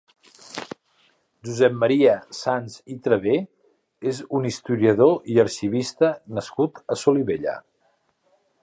Josep Maria Sans i Travé és un historiador i arxivista nascut a Solivella.